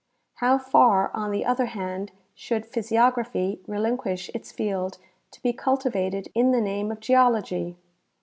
How far, on the other hand, should physiography relinquish its field to be cultivated in the name of geology